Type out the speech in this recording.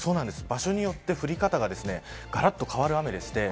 場所によって降り方ががらっと変わる雨でして